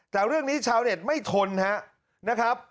แต่เรื่องนี้ชาวเน็ตไม่ทนนะครับ